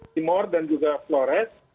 timur dan juga flores